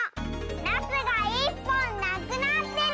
ナスが１ぽんなくなってる！